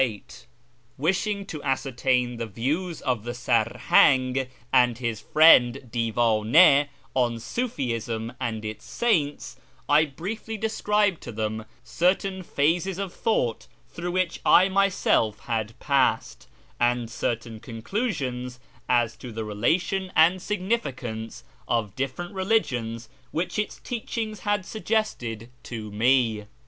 YEZD 407 Wishing to ascertain the views of the Sarhang and his friend " BvvdnS" on Siifi'ism and its saints, I briefly described to them certain phases of thought through which I myself had passed, and certain conclusions as to the relation and signifi cance of different religions which its teachings had suggested to me.